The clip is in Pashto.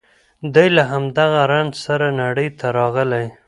دی له همدغه رنځ سره نړۍ ته راغلی